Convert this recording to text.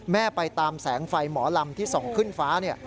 แม่ไปตามแสงไฟหมอลำที่ส่องขึ้นฟ้า